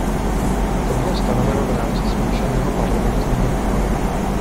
To bylo stanoveno v rámci smíšeného parlamentního výboru.